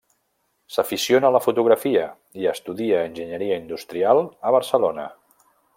S'aficiona a la fotografia, i estudia Enginyeria Industrial a Barcelona.